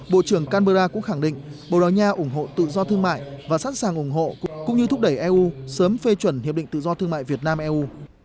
bộ trưởng canberra cũng khẳng định bồ đào nha ủng hộ tự do thương mại và sẵn sàng ủng hộ cũng như thúc đẩy eu sớm phê chuẩn hiệp định tự do thương mại việt nam eu